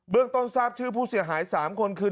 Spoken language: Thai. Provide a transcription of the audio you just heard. ต้นทราบชื่อผู้เสียหาย๓คนคือ